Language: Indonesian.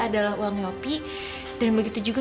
adalah uangnya opi dan begitu juga